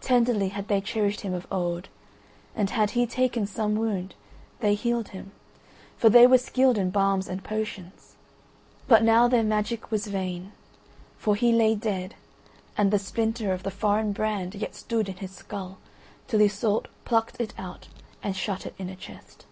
Tenderly had they cherished him of old, and had he taken some wound, they healed him, for they were skilled in balms and potions. But now their magic was vain, for he lay dead and the splinter of the foreign brand yet stood in his skull till Iseult plucked it out and shut it in a chest.